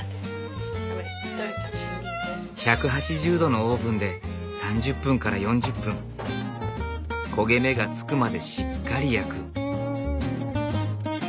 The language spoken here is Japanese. １８０℃のオーブンで３０分から４０分焦げ目がつくまでしっかり焼く。